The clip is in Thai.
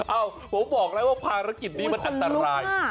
เอ้าผมบอกแล้วว่าภารกิจนี้มันอันตราย